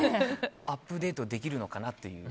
アップデートできるのかなっていう。